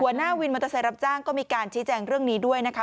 วินมอเตอร์ไซค์รับจ้างก็มีการชี้แจงเรื่องนี้ด้วยนะคะ